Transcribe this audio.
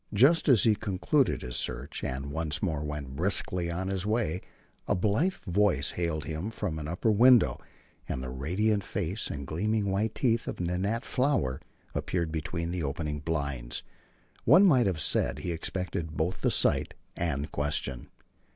Just as he concluded his search, and once more went briskly on his way, a blithe voice hailed him from an upper window, and the radiant face and gleaming white teeth of Nanette Flower appeared between the opening blinds. One might have said he expected both the sight and question.